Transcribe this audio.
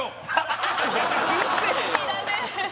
いらねえ